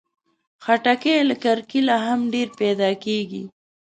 خټکی له کرکيله هم ډېر پیدا کېږي.